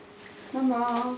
ママ？